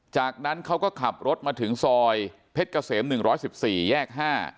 จากนั้นเขาก็ขับรถมาถึงซอยเพชรเกษม๑๑๔แยก๕